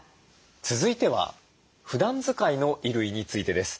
続いてはふだん使いの衣類についてです。